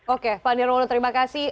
oke pak nirwono terima kasih